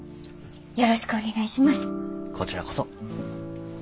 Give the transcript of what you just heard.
こちらこそ。